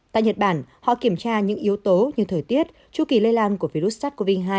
tại nhật bản họ kiểm tra những yếu tố như thời tiết tru kỳ lây lan của virus sars cov hai